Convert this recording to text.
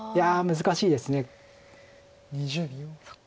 難しいです。